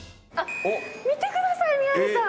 見てください宮根さん。